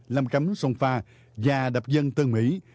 làm cắm sông pha và đập dân tân mỹ